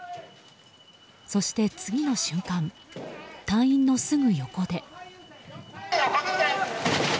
そして次の瞬間隊員のすぐ横で。